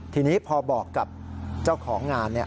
ทีนี้พอบอกกับเจ้าของงาน